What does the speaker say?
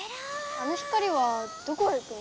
あの光はどこへ行くの？